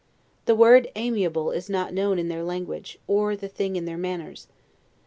The word aimable is not known in their language, or the thing in their manners.